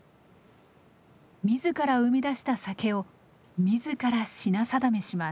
自ら生み出した酒を自ら品定めします。